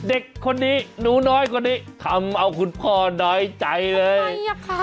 เด็กคนนี้หนูน้อยคนนี้ทำเอาคุณพ่อน้อยใจเลย